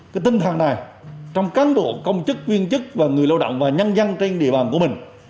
cái tinh thần này trong cán bộ công chức viên chức và người lao động và nhân dân trên địa bàn của mình